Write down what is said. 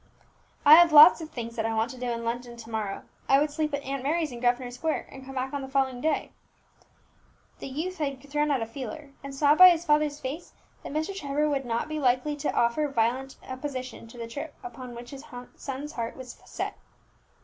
"I have lots of things that I want to do in London to morrow. I would sleep at Aunt Mary's in Grosvenor Square, and come back on the following day." The youth had thrown out a feeler, and saw by his father's face that Mr. Trevor would not be likely to offer violent opposition to the trip upon which his son's heart was set.